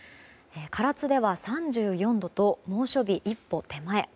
唐津では、３４度と猛暑日一歩手前。